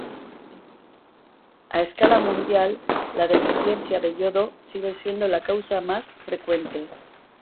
A escala mundial, la deficiencia de yodo sigue siendo la causa más frecuente.